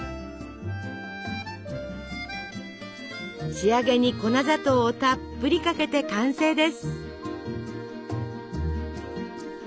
仕上げに粉砂糖をたっぷりかけて完成です！